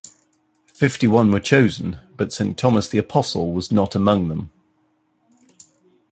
Fifty-one were chosen, but Saint Thomas the Apostle was not among them.